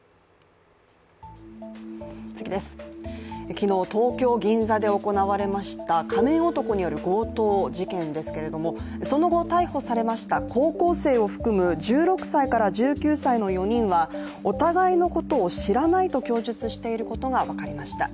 昨日、東京・銀座で行われました仮面男による強盗事件ですけれどもその後、逮捕されました高校生を含む１６歳から１９歳の４人はお互いのことを知らないと供述していることが分かりました。